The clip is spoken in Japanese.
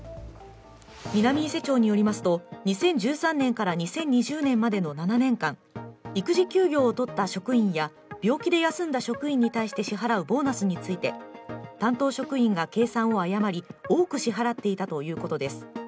南伊勢町によりますと２０１３年から２０２０年までの７年間育児休業を取った職員や病気で休んだ職員に対して支払うボーナスについて、担当職員が計算を誤り、多く支払っていたということです。